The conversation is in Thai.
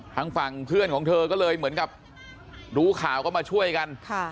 ทางฝั่งเพื่อนของเธอก็เลยเหมือนกับรู้ข่าวก็มาช่วยกัน